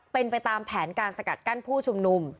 เป็นไปตามแผนการสกัดกั้นผู้ชุมนุม